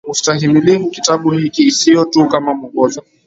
na ustahimilivu Kitabu hiki sio tu kama mwongozo